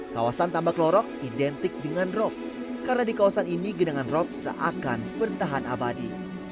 kawasan tambak lorok identik dengan rop karena di kawasan ini genangan rop seakan bertahan abadi